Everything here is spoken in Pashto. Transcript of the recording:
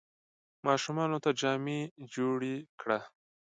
ماشومانو ته جامې جوړي کړه !